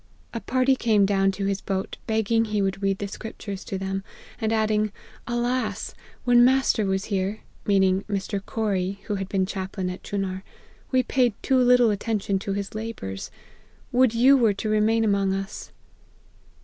A party came down to his boat, begging he would read the scriptures to them ; and adding, Alas ! when master was here,' (mean ing Mr. Corrie, who had been chaplain at Chunar,) ' we paid too little attention to his labours. Would you were to remain among us